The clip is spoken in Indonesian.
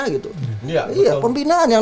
gitu pembinaan yang